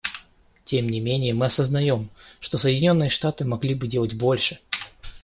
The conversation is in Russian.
Тем не менее, мы осознаем, что Соединенные Штаты могли бы делать больше.